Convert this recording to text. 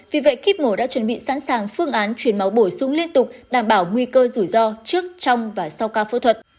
vì vậy kiếp mổ đã chuẩn bị sẵn sàng phương án chuyển máu bổ sung liên tục đảm bảo nguy cơ rủi ro trước trong và sau ca phẫu thuật